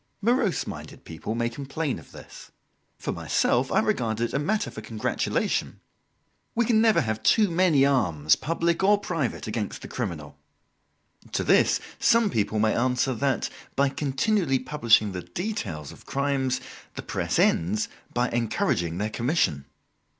Morose minded people may complain of this; for myself I regard it a matter for congratulation. We can never have too many arms, public or private, against the criminal. To this some people may answer that, by continually publishing the details of crimes, the press ends by encouraging their commission.